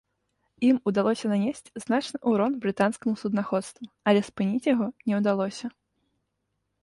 Ім удалося нанесці значны ўрон брытанскаму суднаходству, але спыніць яго не ўдалося.